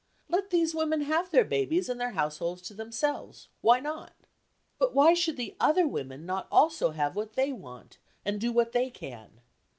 Let these women have their babes and their households to themselves; why not? But why should the other women not also have what they want, and do what they can?